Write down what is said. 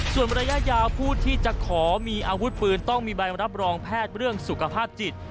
ส่วนระยะยาวผู้ที่จะขอมีอาวุธปืนต้องมีใบรับรองแพทย์เรื่องสุขภาพจิต